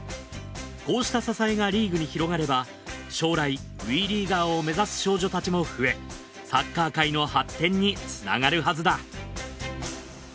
こうした支えがリーグに広がれば将来ＷＥリーガーを目指す少女たちも増えサッカー界の発展につながるはずだ